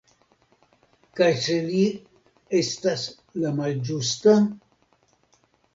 Kaj se li estas la malĝusta?